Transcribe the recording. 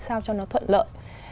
sao cho nó thuận lợi